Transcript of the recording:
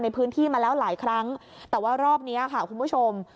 ในพื้นที่มาแล้วหลายครั้งแต่ว่ารอบนี้ค่ะคุณผู้ชม